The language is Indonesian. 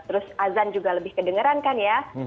terus azan juga lebih kedengeran kan ya